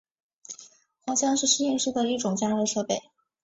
烘箱是实验室中的一种加热设备。